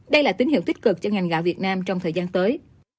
đây là tín hiệu tích cực cho ngành gạo việt nam trong thời gian tới